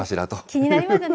気になりますよね。